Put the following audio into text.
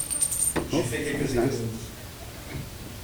J’ai fait quelques économies…